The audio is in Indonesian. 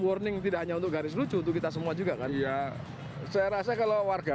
warning tidak hanya untuk garis lucu untuk kita semua juga kan ya saya rasa kalau warga